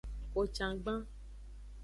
Kocangban.